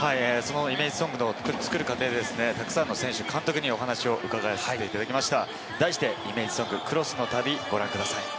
イメージソングを作る過程でたくさんの選手、監督に、お話を伺わせていただきました。